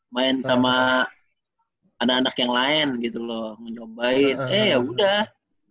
main sama anak anak yang lain gitu loh mencobain eh yaudah